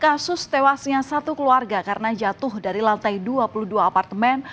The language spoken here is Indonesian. kasus tewasnya satu keluarga karena jatuh dari lantai dua puluh dua apartemen